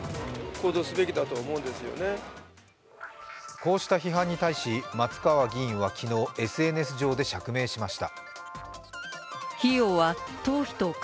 こうした批判に対し松川議員は昨日、ＳＮＳ上で釈明しました。